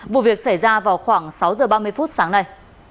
vụ việc xảy ra vào khoảng sáu giờ ba mươi phút sáng nay